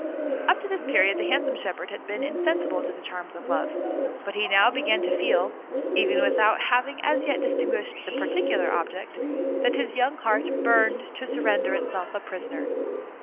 Up to this period the handsome shepherd had been insensible to the charms of Love; but he now began to feel, even without having as yet distinguished the particular object, that his young heart burned to surrender itself a prisoner.